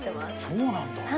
そうなんだ。